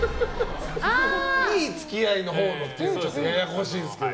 いい付き合いのほうのっていうのがややこしいですけど。